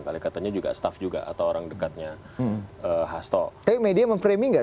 hasto kayaknya media memframing gak